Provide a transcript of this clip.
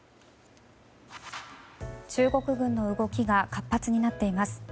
中国軍の動きが活発になっています。